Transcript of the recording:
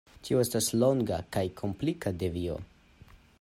Tio estas longa kaj komplika devio.